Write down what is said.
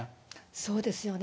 そうですよね。